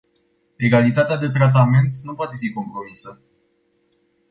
Egalitatea de tratament nu poate fi compromisă.